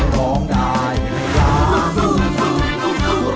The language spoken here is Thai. ให้ร้องเป็นมา๒คน